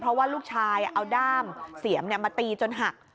เพราะว่าลูกชายเอาด้ามเสียมมาตีจนหัก